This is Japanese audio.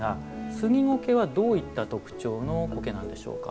スギゴケは、どういった特徴の苔なんでしょうか。